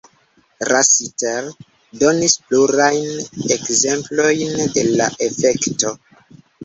Rossiter donis plurajn ekzemplojn de la efekto.